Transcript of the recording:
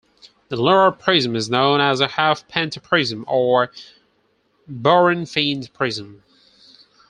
The lower prism is known as a half-penta prism or Bauernfeind prism.